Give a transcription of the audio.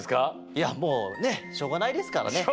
いやもうねしょうがないですからね。